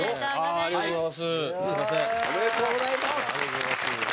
ありがとうございます。